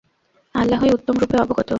আল্লাহই উত্তমরূপে অবগত।